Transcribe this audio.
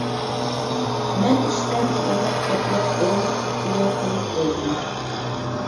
مەن ئىشتاننى ئېلىپ، قاتلاپ ئورۇندۇق ئۈستىگە قويۇپ قويدۇم.